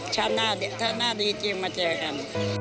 ถ้าหน้าดีจริงมาเจอกัน